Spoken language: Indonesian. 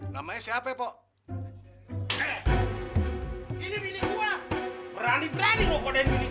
namanya siapa ya pok